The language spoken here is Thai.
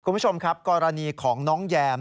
คุณผู้ชมครับกรณีของน้องแยม